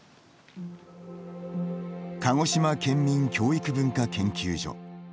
鹿児島県民教育文化研究所。